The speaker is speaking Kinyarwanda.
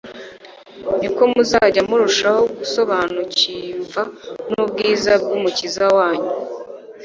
niko muzajya murushaho gusobanukimva n'ubwiza bw'Umukiza wanyu.